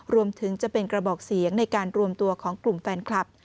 รวมถึงจะเป็นกระบอกเสียงในการรวมตัวของกลุ่มแฟนคลับ